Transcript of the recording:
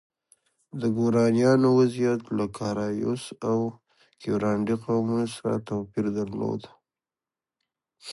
د ګورانیانو وضعیت له کارایوس او کیورانډي قومونو سره توپیر درلود.